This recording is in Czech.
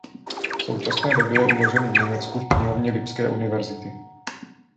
V současné době je uložen v Německu v knihovně Lipské university.